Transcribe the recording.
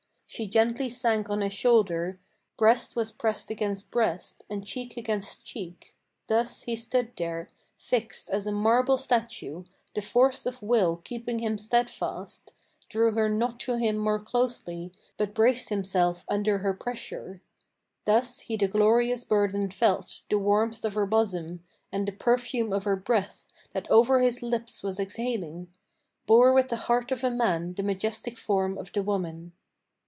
She gently sank on his shoulder; Breast was pressed against breast, and cheek against cheek. Thus he stood there Fixed as a marble statue, the force of will keeping him steadfast, Drew her not to him more closely, but braced himself under her pressure. Thus he the glorious burden felt, the warmth of her bosom, And the perfume of her breath, that over his lips was exhaling; Bore with the heart of a man the majestic form of the woman.